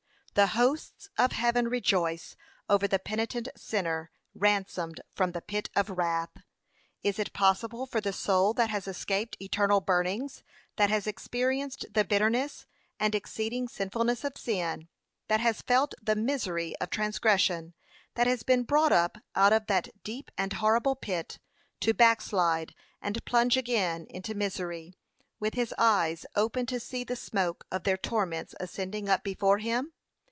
The hosts of heaven rejoice over the penitent sinner ransomed from the pit of wrath. Is it possible for the soul that has escaped eternal burnings that has experienced the bitterness and exceeding sinfulness of sin that has felt the misery of transgression that has been brought up out of that deep and horrible pit to backslide and plunge again into misery, with his eyes open to see the smoke of their torments ascending up before him?